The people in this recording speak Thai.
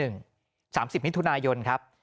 ๓๐มิถุนายนครับ